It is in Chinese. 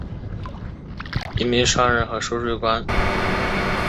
他在伊尔库茨克与弟弟一起成为一名商人和收税官。